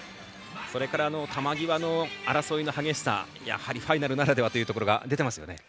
それから、球際の争いの激しさやはりファイナルならではというところが出ていますよね。